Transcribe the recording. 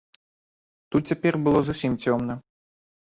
Тут цяпер было зусім цёмна.